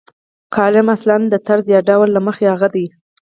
کالم اصلاً د طرز یا ډول له مخې هغه دی.